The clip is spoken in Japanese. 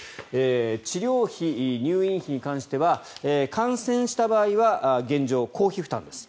治療費、入院費については感染した場合は現状、公費負担です。